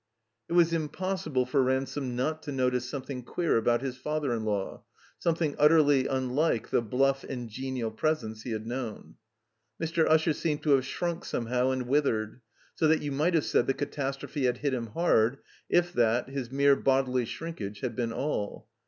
It was impossible for Ransome not to notice some thing queer about his father in law, something ut terly unlike the bluff and genial presence he had known. Mr. Usher seemed to have shrunk some how and withered, so that you might have said the catastrophe had hit him hard, if that, his mere bodily shrinkage, had been all.